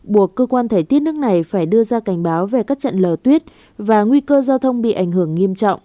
buộc cơ quan thời tiết nước này phải đưa ra cảnh báo về các trận lở tuyết và nguy cơ giao thông bị ảnh hưởng nghiêm trọng